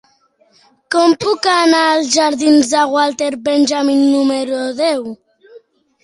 Com puc anar als jardins de Walter Benjamin número deu?